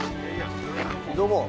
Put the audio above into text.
どうも。